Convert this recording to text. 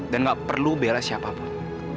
dan gak perlu bela siapapun